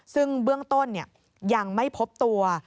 ซึ่งเบื้องต้นยังไม่พบตัว